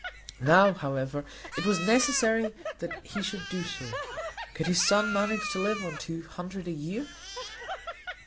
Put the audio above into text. Now, however, it was necessary that he should do so. Could his son manage to live on two hundred a year?